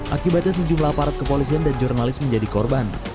akibatnya sejumlah aparat kepolisian dan jurnalis menjadi korban